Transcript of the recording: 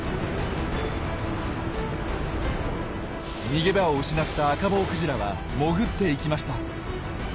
逃げ場を失ったアカボウクジラは潜っていきました。